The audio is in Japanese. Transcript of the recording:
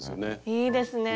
いいですね。